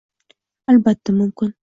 Albatta mumkin.